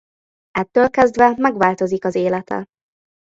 Ettől kezdve megváltozik az élete.